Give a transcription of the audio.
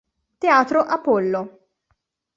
Teatro Apollo